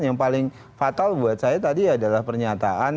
yang paling fatal buat saya tadi adalah pernyataan